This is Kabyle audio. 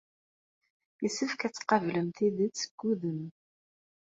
Yessefk ad tqablem tidet deg wudem.